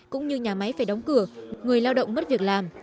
cũng như nhà máy phải đóng cửa người lao động mất việc làm